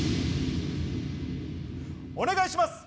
お願いします。